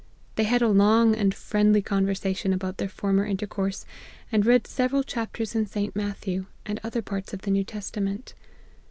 They had a long and friendly conversation about their former intercourse, and read several chapters in St. Matthew, and other parts of the New Testament.